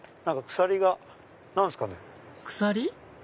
鎖？